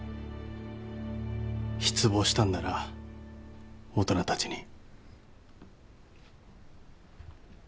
失望したんだな大人たちに。